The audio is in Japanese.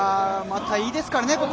また、いいですからね